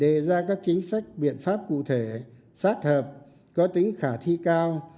đề ra các chính sách biện pháp cụ thể sát hợp có tính khả thi cao